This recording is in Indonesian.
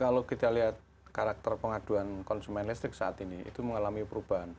kalau kita lihat karakter pengaduan konsumen listrik saat ini itu mengalami perubahan